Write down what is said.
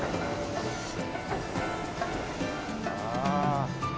ああ。